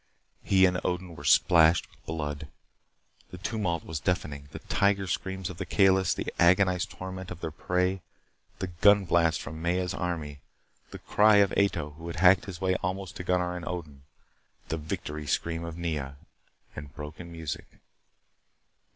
He and Odin were splashed with blood. The tumult was deafening. The tiger screams of the Kalis, the agonized torment of their prey. The gun blasts from Maya's army, the cry of Ato who had hacked his way almost to Gunnar and Odin, the victory scream of Nea, the broken music!